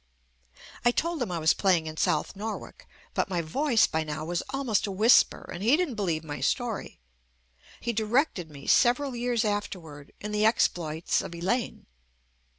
I told him I was playing in South Norwalk, but my voice by now was almost a whisper and he didn't be lieve my story. He directed me several years afterward in "The Exploits of Elaine."